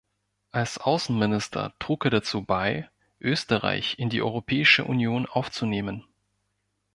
Als Außenminister trug er dazu bei, Österreich in die Europäische Union aufzunehmen.